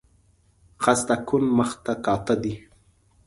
خسته کن مخ ته کاته دي